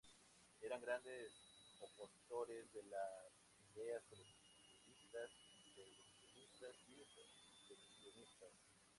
Eran grandes opositores de las ideas colectivistas, intervencionistas y proteccionistas.